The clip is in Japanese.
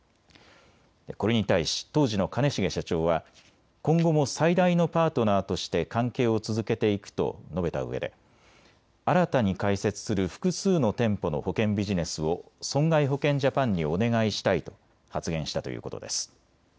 これに対し当時の兼重社長は今後も最大のパートナーとして関係を続けていくと述べたうえで、新たに開設する複数の店舗の保険ビジネスを損害保険ジャパンにお願いしたいと発言したということです。